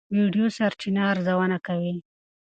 ویډیو سرچینه ارزونه کوي.